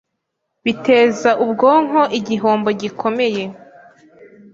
biteza ubwonko igihombo gikomeye